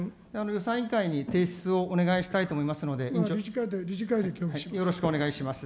予算委員会に提出をお願いしたいと思いますので、理事会で協議します。